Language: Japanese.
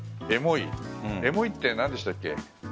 エモいって何でしたっけ？